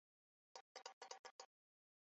革马派运营有出版社。